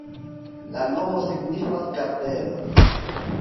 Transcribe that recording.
La nomo signifas: kardelo.